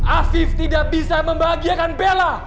afif tidak bisa membahagiakan bella